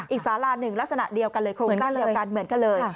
อีกสาระหนึ่งลักษณะเดียวกันเลยเหมือนกันเลย